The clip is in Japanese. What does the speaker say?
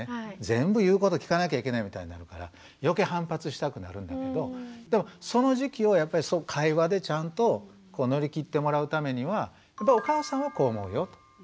全部言うこと聞かなきゃいけないみたいになるから余計反発したくなるんだけどでもその時期をやっぱり会話でちゃんと乗り切ってもらうためにはお母さんはこう思うよと。